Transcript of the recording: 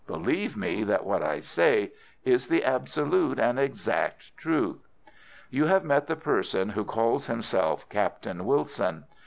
Believe me that what I say is the absolute and exact truth. "You have met the person who calls himself Captain Wilson.